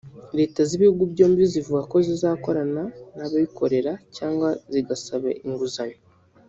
Leta z’ibihugu byombi zivuga ko zizakorana n’abikorera cyangwa zigasaba inguzanyo